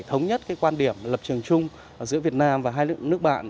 thống nhất quan điểm lập trường chung giữa việt nam và hai nước bạn